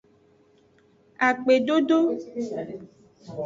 Akpedodo.